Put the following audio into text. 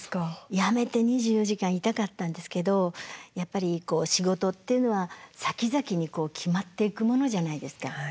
やめて２４時間いたかったんですけどやっぱり仕事っていうのはさきざきに決まっていくものじゃないですか。